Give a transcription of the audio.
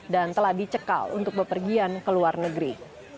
dan telah dicekal untuk bepergian ke luar negeri